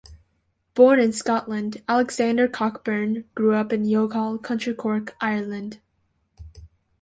Born in Scotland, Alexander Cockburn grew up in Youghal, County Cork, Ireland.